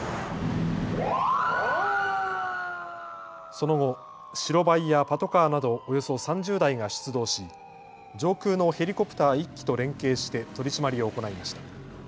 その後、白バイやパトカーなどおよそ３０台が出動し上空のヘリコプター１機と連携して取締りを行いました。